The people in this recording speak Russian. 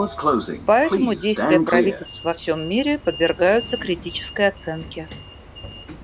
Поэтому действия правительств во всем мире подвергаются критической оценке.